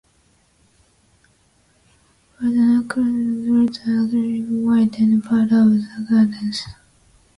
Poison sumac fruit are creamy white and part of a cluster.